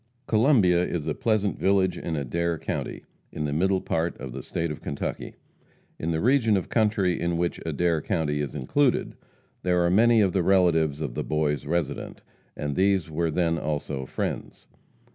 Columbia is a pleasant village in Adair county, in the middle part of the State of Kentucky. In the region of country in which Adair county is included, there are many of the relatives of the Boys resident, and these were then also friends.